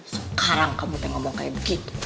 sekarang kamu bisa ngomong kayak begitu